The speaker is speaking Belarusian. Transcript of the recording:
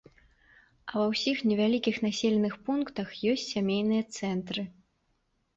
А ва ўсіх невялікіх населеных пунктах ёсць сямейныя цэнтры.